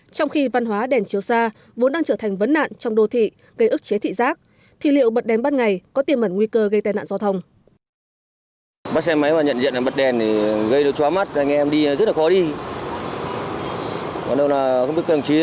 trong khi văn hóa đèn chiếu xa vốn đang trở thành vấn nạn trong đô thị gây ức chế thị giác thì liệu bật đèn ban ngày có tiềm mẩn nguy cơ gây tai nạn giao thông